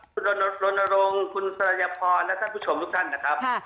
คุณรณรงค์คุณสรยพรและท่านผู้ชมทุกท่านนะครับ